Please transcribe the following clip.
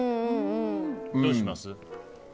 どうします？